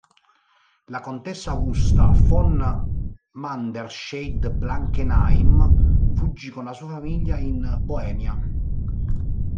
La contessa Augusta von Manderscheid-Blankenheim fuggì con la sua famiglia in Boemia.